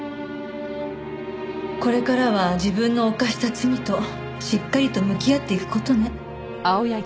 これからは自分の犯した罪としっかりと向き合っていく事ね。